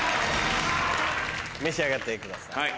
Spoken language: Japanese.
召し上がってください。